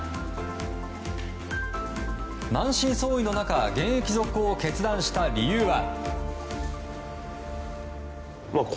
満身創痍の中現役続行を決断した理由は。